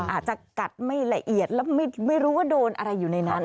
อาจจะกัดไม่ละเอียดแล้วไม่รู้ว่าโดนอะไรอยู่ในนั้น